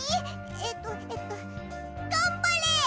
えっとえっとがんばれ！